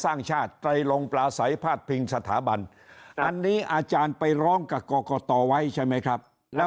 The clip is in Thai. สร้างชาติไตรลงปลาใสพาดพิงสถาบันอันนี้อาจารย์ไปร้องกับกรกตไว้ใช่ไหมครับแล้ว